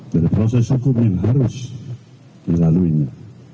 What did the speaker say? proses hukum yang harus dilaluinya